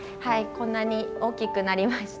こんなに大きくなりました。